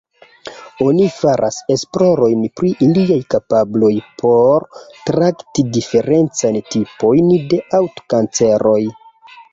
Oni faras esplorojn pri iliaj kapabloj por trakti diferencajn tipojn de haŭtkanceroj.